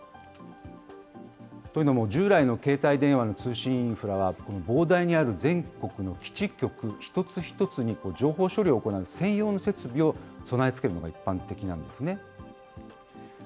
というのも、従来の携帯電話の通信インフラは、膨大にある全国の基地局一つ一つに、情報処理を行う専用の設備を備え付けるのが一般的なんですね。